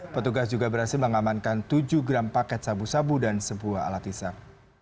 petugas juga berhasil mengamankan tujuh gram paket sabu sabu dan sebuah alat isang